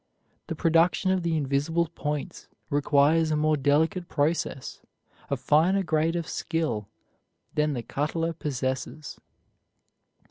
The production of the invisible points requires a more delicate process, a finer grade of skill than the cutler possesses.